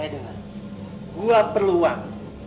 eh dengar gua perlu uang